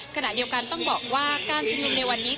ขณะเดียวกันต้องบอกว่าการชุมนุมในวันนี้